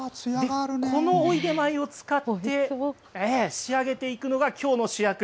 このおいでまいを使って仕上げていくのがきょうの主役。